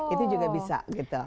itu juga bisa gitu